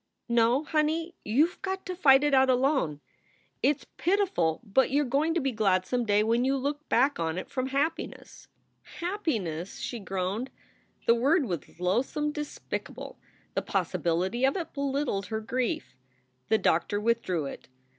"No, honey, you ve got to fight it out alone. It s pitiful, SOULS FOR SALE 27 but you re going to be glad some day when you look back on it from happiness " "Happiness!" she groaned. The word was loathsome, despicable. The possibility of it belittled her grief. The doctor withdrew it.